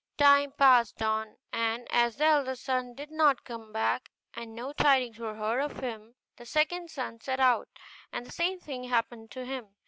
Time passed on; and as the eldest son did not come back, and no tidings were heard of him, the second son set out, and the same thing happened to him.